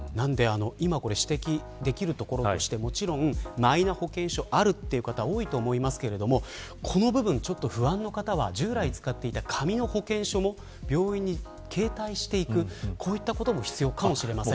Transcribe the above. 指摘できるところとしてマイナ保険証があるという方多いと思いますがこの部分不安の方は従来使っていた紙の保険証も病院に携帯していくことが必要かもしれません。